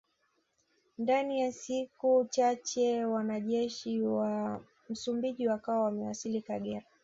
Ndani ya siku chache wanajeshi wa Msumbiji wakawa wamewasili Kagera